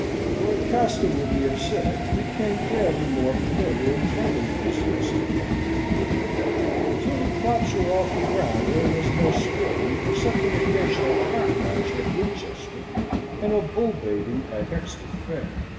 Lord Castlewood, we have said, became daily more familiar and friendly with his guest and relative. Till the crops were off the ground there was no sporting, except an occasional cock match at Winchester, and a bull baiting at Hexton Fair.